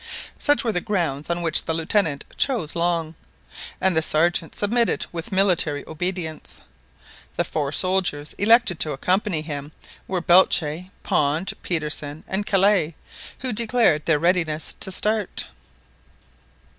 Such were the grounds on which the Lieutenant chose Long, and the Sergeant submitted with military obedience. The four soldiers elected to accompany him were Belcher, Pond, Petersen, and Kellet, who declared their readiness to start.